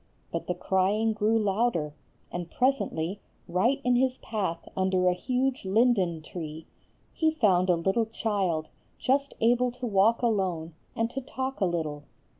But the crying grew louder, and presently, right in his path under a huge linden tree, he found a little child, just able to walk alone, and to talk a little.